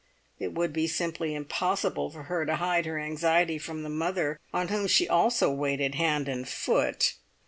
It would be simply impossible for her to hide her anxiety from the mother on whom she also waited hand and foot.